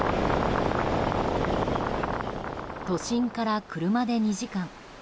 都心から車で２時間。